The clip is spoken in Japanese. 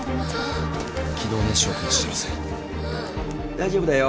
大丈夫だよ。